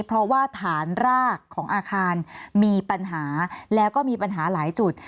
เพราะว่าฐานรากของอาคารมีปัญหาแล้วก็มีปัญหาหลายจุด